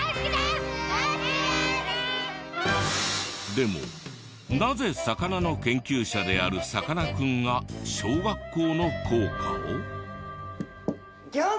でもなぜ魚の研究者であるさかなクンが小学校の校歌を？